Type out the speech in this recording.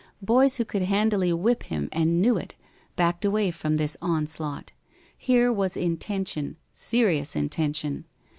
Boys who could handily whip him, and knew it, backed away from this onslaught. Here was intention serious intention.